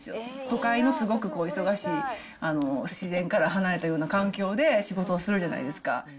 都会のすごく忙しい自然から離れたような環境で仕事をするじゃないですか。